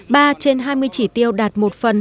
trên hai mươi chỉ tiêu đạt một phần